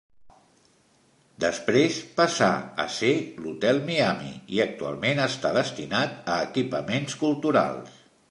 Després passà a ser l'Hotel Miami i actualment està destinat a equipaments culturals.